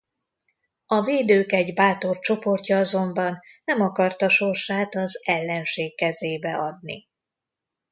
A védők egy bátor csoportja azonban nem akarta sorsát az ellenség kezébe adni.